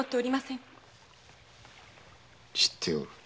知っておる。